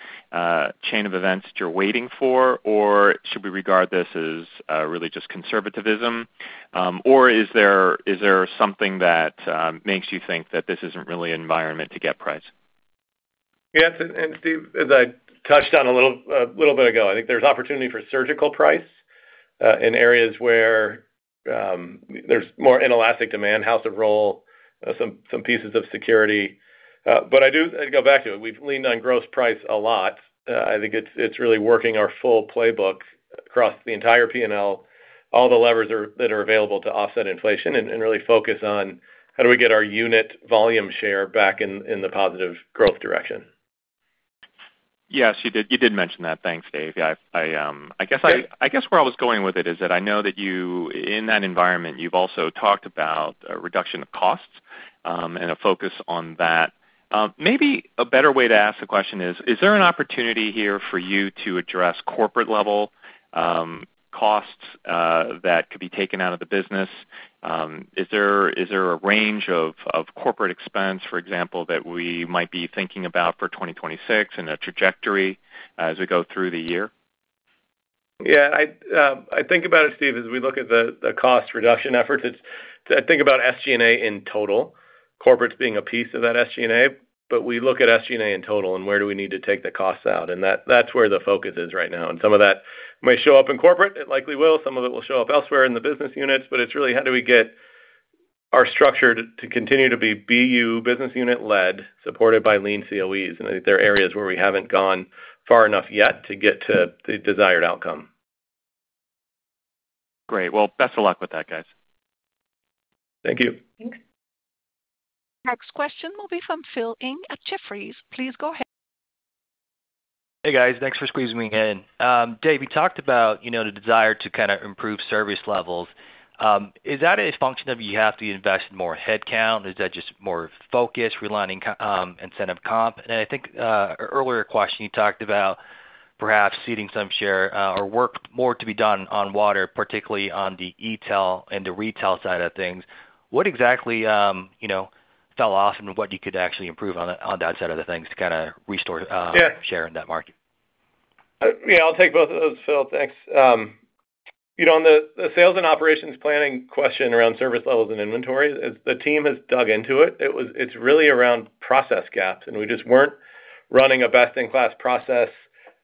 chain of events that you're waiting for, or should we regard this as really just conservativism? Or is there, is there something that makes you think that this isn't really an environment to get price? Yes. Steve, as I touched on a little bit ago, I think there's opportunity for surgical price in areas where there's more inelastic demand, House of Rohl, some pieces of security. To go back to it, we've leaned on gross price a lot. I think it's really working our full playbook across the entire P&L. All the levers that are available to offset inflation and really focus on how do we get our unit volume share back in the positive growth direction. Yes, you did mention that. Thanks, Dave. Yeah. Yeah. I guess where I was going with it is that I know that in that environment, you've also talked about a reduction of costs and a focus on that. Maybe a better way to ask the question is there an opportunity here for you to address corporate level costs that could be taken out of the business? Is there a range of corporate expense, for example, that we might be thinking about for 2026 and a trajectory as we go through the year? Yeah, I'd, I think about it, Steve, as we look at the cost reduction efforts. I think about SG&A in total, corporate being a piece of that SG&A, but we look at SG&A in total and where do we need to take the costs out. That's where the focus is right now. Some of that may show up in corporate. It likely will. Some of it will show up elsewhere in the business units, but it's really how do we get our structure to continue to be BU, business unit-led, supported by lean COEs. I think there are areas where we haven't gone far enough yet to get to the desired outcome. Great. Well, best of luck with that, guys. Thank you. Thanks. Next question will be from Phil Ng at Jefferies. Please go ahead. Hey, guys. Thanks for squeezing me in. Dave, you talked about, you know, the desire to kinda improve service levels. Is that a function of you have to invest in more headcount? Is that just more focus, realigning incentive comp? I think, earlier question, you talked about perhaps ceding some share, or work more to be done on Water, particularly on the e-tail and the retail side of things. What exactly, you know, fell off and what you could actually improve on that, on that side of the things to kinda restore? Yeah. Share in that market? I, yeah, I'll take both of those, Phil. Thanks. You know, on the sales and operations planning question around service levels and inventories, the team has dug into it. It's really around process gaps. We just weren't running a best-in-class process.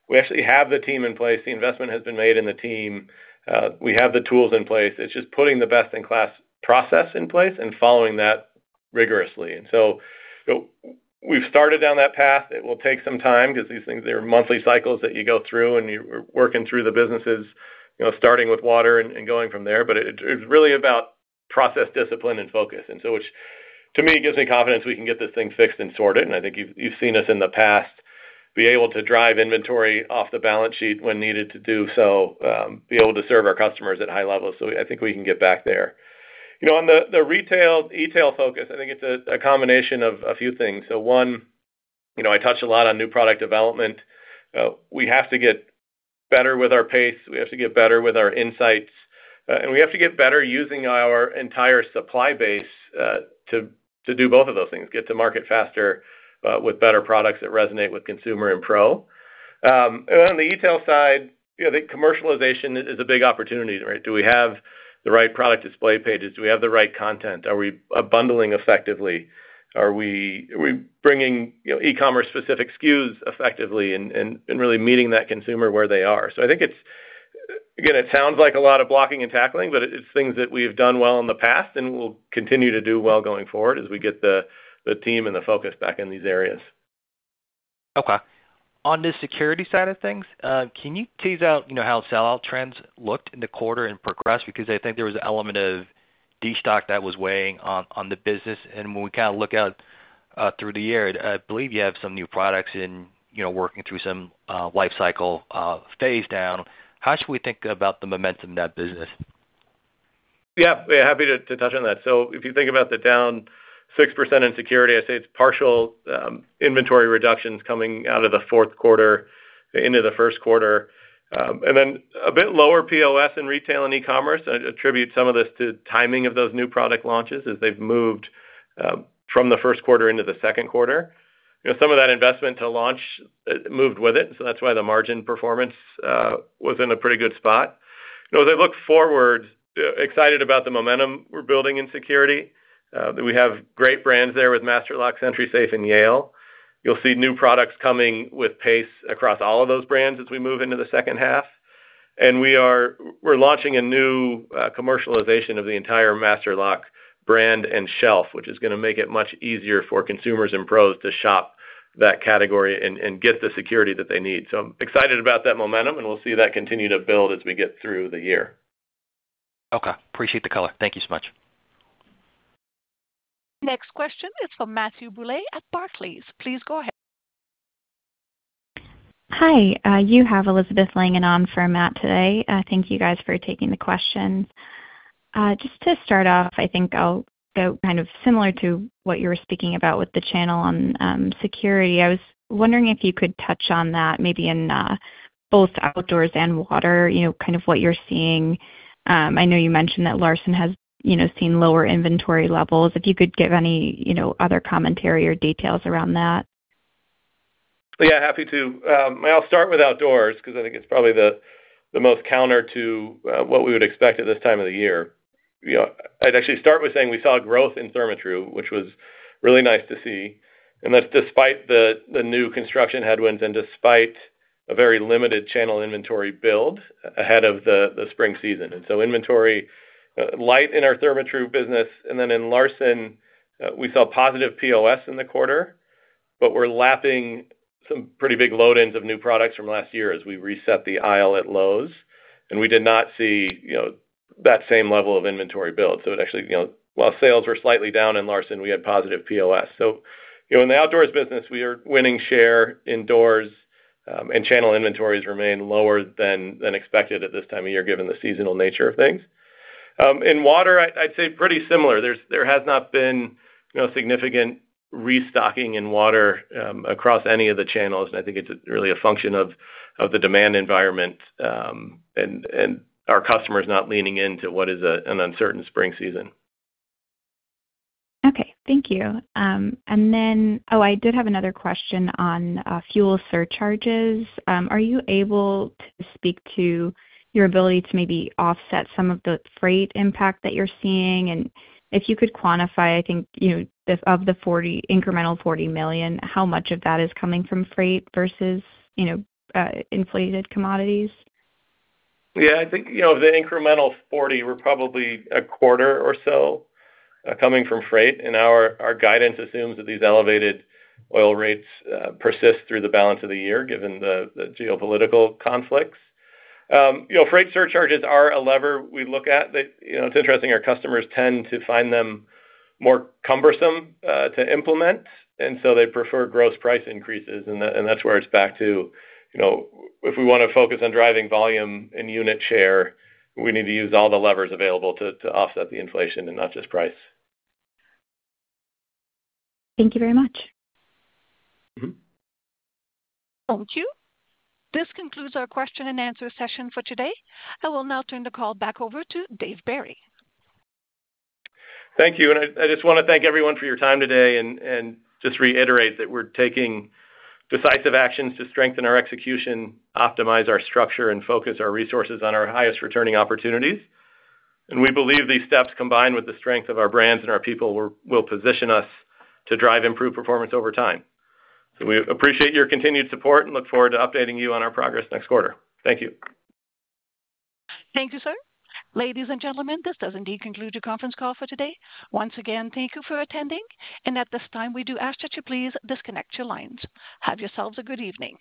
We actually have the team in place. The investment has been made in the team. We have the tools in place. It's just putting the best-in-class process in place and following that rigorously. We've started down that path. It will take some time 'cause these things, they're monthly cycles that you go through, and you're working through the businesses, you know, starting with Water and going from there. It's really about process discipline and focus. Which to me gives me confidence we can get this thing fixed and sorted, and I think you've seen us in the past be able to drive inventory off the balance sheet when needed to do so, be able to serve our customers at high levels. I think we can get back there. You know, on the retail, e-tail focus, I think it's a combination of a few things. One, you know, I touched a lot on new product development. We have to get better with our pace. We have to get better with our insights. And we have to get better using our entire supply base to do both of those things, get to market faster with better products that resonate with consumer and pro. On the e-tail side, you know, I think commercialization is a big opportunity, right? Do we have the right product display pages? Do we have the right content? Are we bundling effectively? Are we bringing, you know, e-commerce specific SKUs effectively and really meeting that consumer where they are? I think it's, again, it sounds like a lot of blocking and tackling, but it's things that we have done well in the past and will continue to do well going forward as we get the team and the focus back in these areas. Okay. On the security side of things, can you tease out, you know, how sell-out trends looked in the quarter and progress? I think there was an element of destock that was weighing on the business. When we kind of look out, through the year, I believe you have some new products in, you know, working through some, life cycle, phase down. How should we think about the momentum in that business? Happy to touch on that. If you think about the down 6% in security, I'd say it's partial, inventory reductions coming out of the fourth quarter into the first quarter. A bit lower POS in retail and e-commerce. I'd attribute some of this to timing of those new product launches as they've moved from the first quarter into the second quarter. Some of that investment to launch moved with it, so that's why the margin performance was in a pretty good spot. As I look forward, excited about the momentum we're building in security. We have great brands there with Master Lock, SentrySafe, and Yale. You'll see new products coming with pace across all of those brands as we move into the second half. We're launching a new commercialization of the entire Master Lock brand and shelf, which is gonna make it much easier for consumers and pros to shop that category and get the security that they need. I'm excited about that momentum, and we'll see that continue to build as we get through the year. Okay. Appreciate the color. Thank you so much. Next question is from Matthew Bouley at Barclays. Please go ahead. Hi. You have Elizabeth Langan on for Matt today. Thank you guys for taking the question. Just to start off, I think I'll go kind of similar to what you were speaking about with the channel on security. I was wondering if you could touch on that maybe in both Outdoors and Water, you know, kind of what you're seeing. I know you mentioned that Larson has, you know, seen lower inventory levels. If you could give any, you know, other commentary or details around that. Yeah, happy to. I'll start with Outdoors 'cause I think it's probably the most counter to what we would expect at this time of the year. You know, I'd actually start with saying we saw growth in Therma-Tru, which was really nice to see, and that's despite the new construction headwinds and despite a very limited channel inventory build ahead of the spring season. Inventory light in our Therma-Tru business. Then in Larson, we saw positive POS in the quarter, but we're lapping some pretty big load-ins of new products from last year as we reset the aisle at Lowe's. We did not see, you know, that same level of inventory build. It actually, you know, while sales were slightly down in Larson, we had positive POS. You know, in the Outdoors business, we are winning share in doors, and channel inventories remain lower than expected at this time of year, given the seasonal nature of things. In Water, I'd say pretty similar. There has not been, you know, significant restocking in Water, across any of the channels, and I think it's really a function of the demand environment, and our customers not leaning into what is an uncertain spring season. Okay. Thank you. I did have another question on fuel surcharges. Are you able to speak to your ability to maybe offset some of the freight impact that you're seeing? Could you quantify, you know, if of the incremental $40 million, how much of that is coming from freight versus, you know, inflated commodities? Yeah. I think, you know, of the incremental 40, we're probably a quarter or so coming from freight. Our guidance assumes that these elevated oil rates persist through the balance of the year given the geopolitical conflicts. You know, freight surcharges are a lever we look at. They, you know, it's interesting, our customers tend to find them more cumbersome to implement, so they prefer gross price increases. That's where it's back to, you know, if we wanna focus on driving volume and unit share, we need to use all the levers available to offset the inflation and not just price. Thank you very much. Thank you. This concludes our question and answer session for today. I will now turn the call back over to Dave Barry. Thank you. I just want to thank everyone for your time today and just reiterate that we are taking decisive actions to strengthen our execution, optimize our structure, and focus our resources on our highest returning opportunities. We believe these steps, combined with the strength of our brands and our people, will position us to drive improved performance over time. We appreciate your continued support and look forward to updating you on our progress next quarter. Thank you. Thank you, sir. Ladies and gentlemen, this does indeed conclude your conference call for today. Once again, thank you for attending, at this time, we do ask that you please disconnect your lines. Have yourselves a good evening.